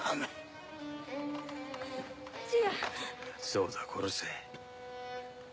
そうだ殺せ。